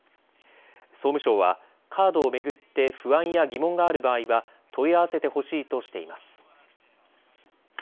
総務省はカードを巡って不安や疑問がある場合は問い合わせてほしいとしています。